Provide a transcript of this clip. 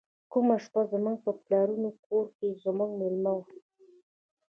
کومه شپه زموږ په پلرني کور کې زموږ میلمه و.